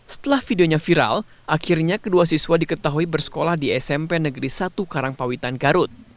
setelah videonya viral akhirnya kedua siswa diketahui bersekolah di smp negeri satu karangpawitan garut